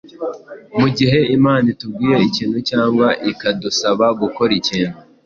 Mu gihe Imana itubwiye ikintu cyangwa ikadusaba gukora ikintu